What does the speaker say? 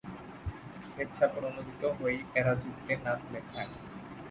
স্বেচ্ছাপ্রণোদিত হয়েই এরা যুদ্ধে নাম লেখায়।